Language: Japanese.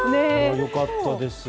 良かったです。